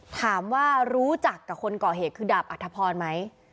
ถามว่ารู้จักกับคนก่อเหตุคือดาบอัธพรไหม